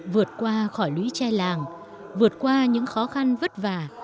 vượt qua khỏi lũy trai làng vượt qua những khó khăn vất vả